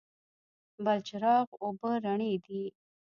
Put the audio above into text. بلچراغ اوبه رڼې دي؟